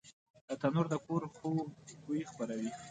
تنور د کور خوږ بوی خپروي